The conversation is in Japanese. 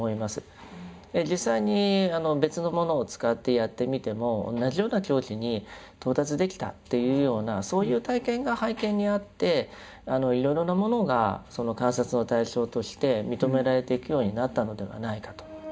実際に別のものを使ってやってみても同じような境地に到達できたというようなそういう体験が背景にあっていろいろなものがその観察の対象として認められていくようになったのではないかと。